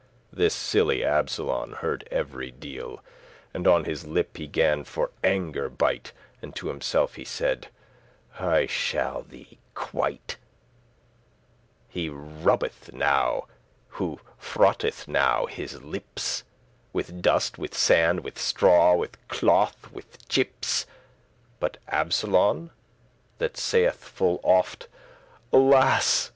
This silly Absolon heard every deal*, *word And on his lip he gan for anger bite; And to himself he said, "I shall thee quite*. *requite, be even with Who rubbeth now, who frotteth* now his lips *rubs With dust, with sand, with straw, with cloth, with chips, But Absolon? that saith full oft, "Alas!